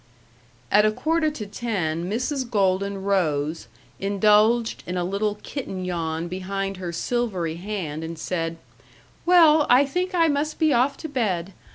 At a quarter to ten Mrs. Golden rose, indulged in a little kitten yawn behind her silvery hand, and said: "Well, I think I must be off to bed....